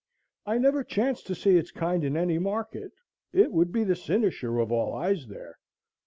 I never chanced to see its kind in any market; it would be the cynosure of all eyes there.